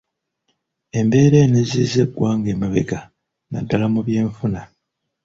Embeera eno ezizza eggwanga emabega naddala mu byenfuna.